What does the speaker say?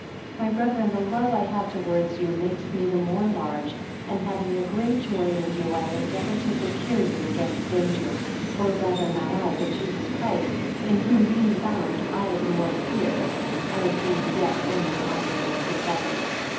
MY brethren, the love I have towards you makes me the more large; and having a great joy in you, I endeavour to secure you against danger; or rather not I, but Jesus Christ; in whom being bound, I the more fear, as being yet only on the way to suffering.